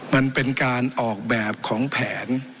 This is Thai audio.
มันเป็นการออกแบบของแผน